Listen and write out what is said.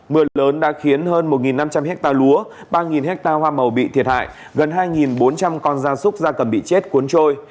mưa lớn đã khiến hơn một năm trăm linh hectare lúa ba ha hoa màu bị thiệt hại gần hai bốn trăm linh con gia súc gia cầm bị chết cuốn trôi